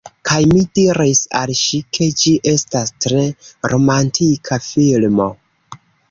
Kaj mi diris al ŝi, ke ĝi estas tre romantika filmo.